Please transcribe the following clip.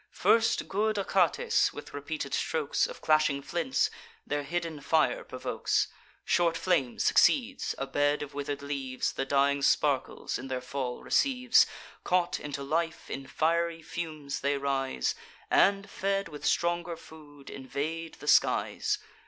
First, good Achates, with repeated strokes Of clashing flints, their hidden fire provokes: Short flame succeeds; a bed of wither'd leaves The dying sparkles in their fall receives: Caught into life, in fiery fumes they rise, And, fed with stronger food, invade the skies.